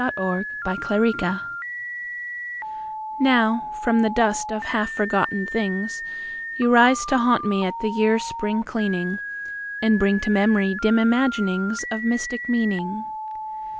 To an Old Teapot Now from the dust of half forgotten things, You rise to haunt me at the year's Spring cleaning, And bring to memory dim imaginings Of mystic meaning.